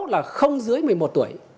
là không dưới một mươi một tuổi